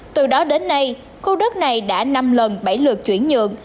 từ đó đến nay khu đất này đã năm lần bảy lượt chuyển nhượng